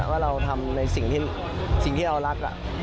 ว่าเราทำในสิ่งที่เรารัก